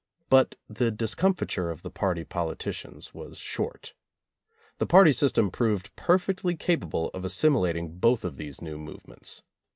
But the discom fiture of the party politicians was short. The party system proved perfectly capable of assimilat ing both of these new movements.